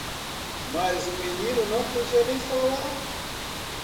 Mas o menino não podia nem falar.